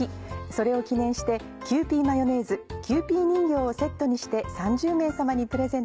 それを記念してキユーピーマヨネーズキユーピー人形をセットにして３０名様にプレゼント。